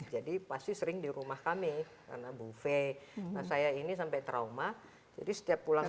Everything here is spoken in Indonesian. pasti sering di rumah kami karena bu v saya ini sampai trauma jadi setiap pulang